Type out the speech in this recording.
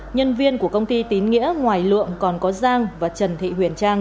nhân viên của công ty tín nghĩa ngoài lượng còn có giang và trần thị huyền trang